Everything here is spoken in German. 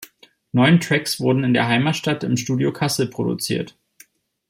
Neun Tracks wurden in der Heimatstadt im "Studio Kassel" produziert.